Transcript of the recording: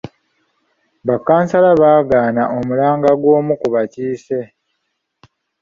Ba kkansala baagaana omulanga gw'omu ku bakiise.